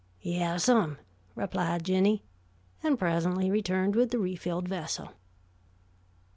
"Yassam," replied Jinny, and presently returned with the refilled vessel.